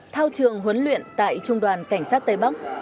thao trường huấn luyện tại trung đoàn cảnh sát tây bắc